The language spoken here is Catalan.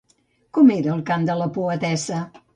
Com era el cant de la poetessa?